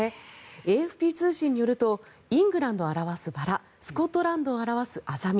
ＡＦＰ通信によるとイングランドを表すバラスコットランドを表すアザミ